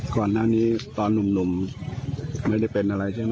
ก่อนหน้านี้ตอนหนุ่มไม่ได้เป็นอะไรใช่ไหม